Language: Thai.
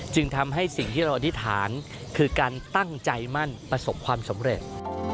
จึงทำให้สิ่งที่เราอธิษฐานคือการตั้งใจมั่นประสบความสำเร็จ